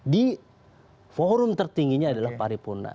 di forum tertingginya adalah paripurna